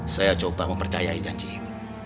saya coba mempercayai janji ini